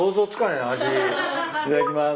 いただきます。